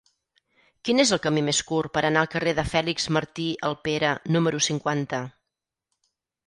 Quin és el camí més curt per anar al carrer de Fèlix Martí Alpera número cinquanta?